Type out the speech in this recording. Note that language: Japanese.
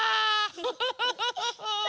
フフフフフ。